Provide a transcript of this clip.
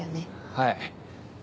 はい。